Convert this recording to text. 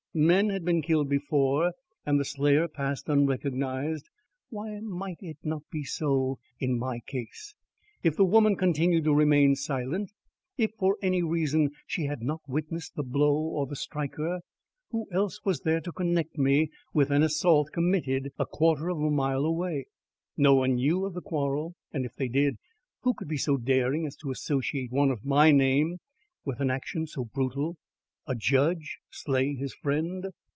Men had been killed before, and the slayer passed unrecognised. Why might it not be so in my case? If the woman continued to remain silent; if for any reason she had not witnessed the blow or the striker, who else was there to connect me with an assault committed a quarter of a mile away? No one knew of the quarrel; and if they did, who could be so daring as to associate one of my name with an action so brutal? A judge slay his friend!